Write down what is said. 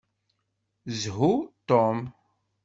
Shu Tom!